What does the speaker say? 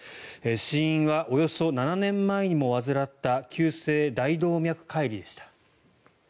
死因はおよそ７年前にも患った急性大動脈解離でした。